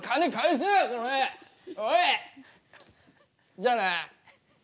じゃあな。